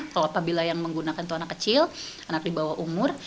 kalau apabila yang menggunakan tuan kecil anak di bawah umur